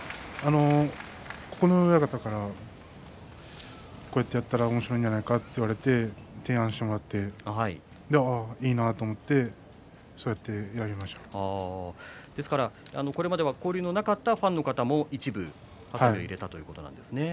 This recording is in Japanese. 九重親方からこうやってやってもらったらおもしろいんじゃないかと言われて提案してもらっていいなと思ってこれまでは交流のなかったファンの方も一部はさみを入れたということなんですね。